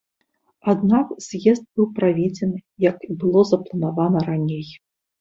Аднак, з'езд быў праведзены, як і было запланавана раней.